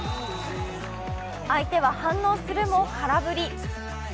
相手は反応するも空振り。